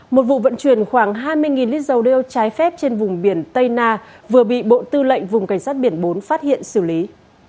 một vụ vận chuyển khoảng hai mươi lít dầu đeo trái phép trên vùng biển tây na vừa bị bộ tư lệnh vùng cảnh sát biển bốn phát hiện xử lý